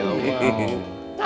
oh ya allah